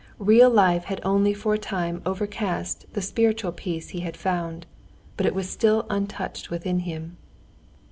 Real life had only for a time overcast the spiritual peace he had found, but it was still untouched within him.